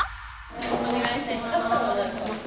よろしくお願いします。